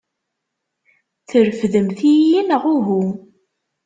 Trefdemt-iyi neɣ uhu?